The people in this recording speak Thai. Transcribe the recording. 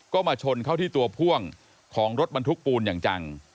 ก็มาชนเข้าที่ตัวพ่วงของรถบรรทุกปูนอย่างจัง